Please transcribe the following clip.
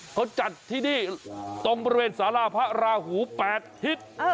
เขาจัดที่นี่ตรงบริเวณสาราพระราหู๘ทิศ